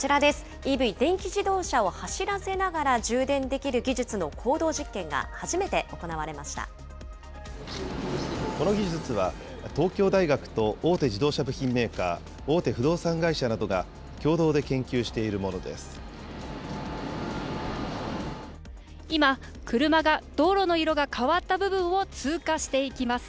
ＥＶ・電気自動車を走らせながら充電できる技術の公道実験が初めこの技術は、東京大学と大手自動車部品メーカー、大手不動産会社などが共同で今、車が道路の色が変わった部分を通過していきます。